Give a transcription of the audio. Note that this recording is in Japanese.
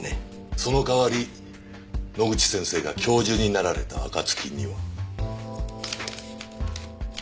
その代わり野口先生が教授になられた暁には。